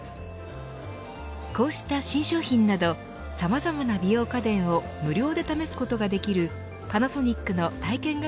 こうした新商品などさまざまな美容家電を無料で試すことができるパナソニックの体験型